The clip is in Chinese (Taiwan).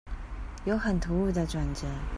有很突兀的轉折